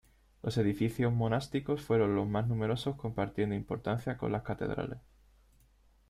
Los edificios monásticos fueron los más numerosos compartiendo importancia con las catedrales.